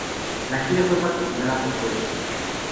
La gira fue patrocinada por Pepsi.